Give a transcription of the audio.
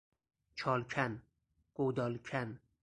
چال کن، گودال کن